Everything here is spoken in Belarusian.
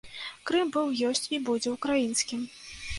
Крым быў, ёсць і будзе ўкраінскім.